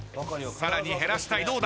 さらに減らしたい。